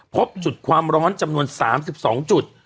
พบจุดความร้อนจำนวน๓๒จุด